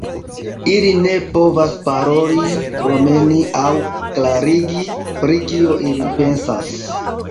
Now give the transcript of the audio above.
Ili ne povas paroli, promeni aŭ klarigi pri kio ili pensas.